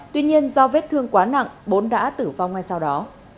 tuy nhiên do vết thương quá nặng bốn đã tử vong ngay sau đó